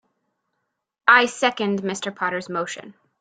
I second Mr. Potter's motion.